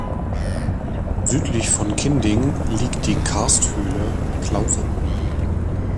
Südlich von Kinding liegt die Karsthöhle "Klause".